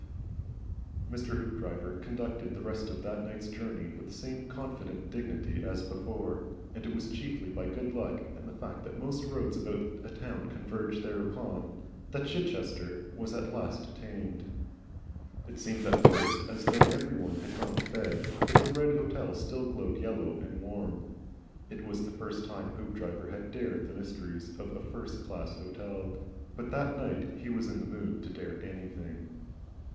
Mr. Hoopdriver conducted the rest of that night's journey with the same confident dignity as before, and it was chiefly by good luck and the fact that most roads about a town converge thereupon, that Chichester was at last attained. It seemed at first as though everyone had gone to bed, but the Red Hotel still glowed yellow and warm. It was the first time Hoopdriver bad dared the mysteries of a 'first class' hotel.' But that night he was in the mood to dare anything.